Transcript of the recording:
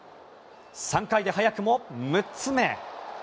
３回で早くも６つ目。